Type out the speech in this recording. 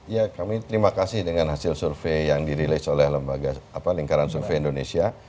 ya kami terima kasih dengan hasil survei yang dirilis oleh lingkaran survei indonesia